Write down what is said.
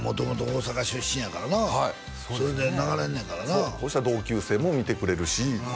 元々大阪出身やからなはいそれで流れんねんからなそしたら同級生も見てくれるし